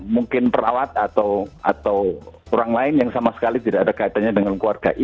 mungkin perawat atau orang lain yang sama sekali tidak ada kaitannya dengan keluarga